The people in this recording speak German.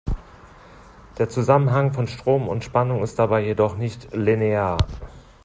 Der Zusammenhang von Strom und Spannung ist dabei jedoch nicht linear.